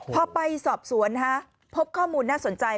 พอไปสอบสวนพบข้อมูลน่าสนใจ